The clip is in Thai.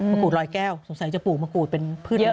กูดรอยแก้วสงสัยจะปลูกมะกรูดเป็นพืชเยอะ